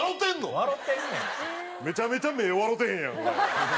めちゃめちゃ目笑うてへんやんこれ。